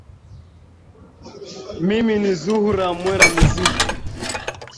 mimi ni zuhra mwera muziki